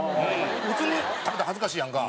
普通に食べたら恥ずかしいやんか。